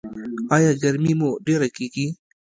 ایا ګرمي مو ډیره کیږي؟